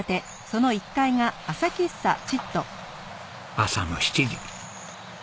朝の７時。